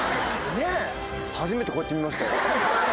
初めてこうやって見ましたよ。